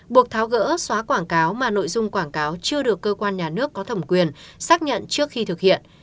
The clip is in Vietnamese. buộc tháo gỡ xóa quảng cáo mà nội dung quảng cáo chưa được cơ quan nhà nước có thẩm quyền xác nhận trước khi thực hiện